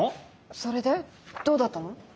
それでどうだったの？